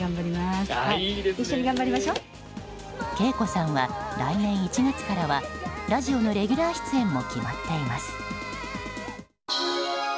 ＫＥＩＫＯさんは来年１月からはラジオのレギュラー出演も決まっています。